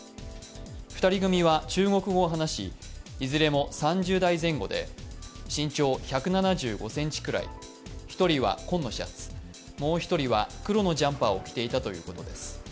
２人組は中国語を話しいずれも３０代前後で身長１７５ｃｍくらい、１人は紺のシャツ、もう１人は黒のジャンパーを着ていたということです。